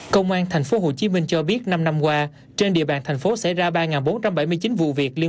công an thành phố hồ chí minh cho biết năm năm qua trên địa bàn thành phố xảy ra ba bốn trăm bảy mươi chín vụ việc